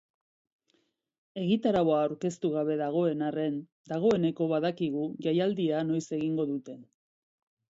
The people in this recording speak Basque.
Egitaraua aurkeztu gabe dagoen arren, dagoeneko badakigu jaialdia noiz egingo duten.